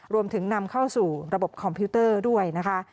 รวมถึงนำเข้าสู่ระบบคอมพิวเตอร์ด้วยนะคะ